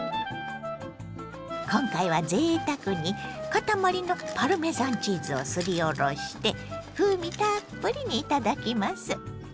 今回はぜいたくに塊のパルメザンチーズをすりおろして風味たっぷりに頂きます。